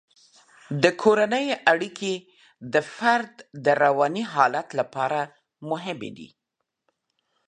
د کورنۍ اړیکې د فرد د رواني حالت لپاره مهمې دي.